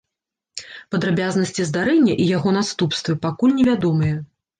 Падрабязнасці здарэння і яго наступствы пакуль невядомыя.